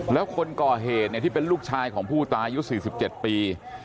แล้วคนก่อเหตุที่เป็นลูกชายของผู้ตายอายุ๔๗ปี